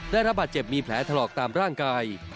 ได้รับบาดเจ็บมีแผลถลอกตามร่างกาย